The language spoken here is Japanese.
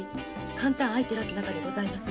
肝胆相照らす仲でございます。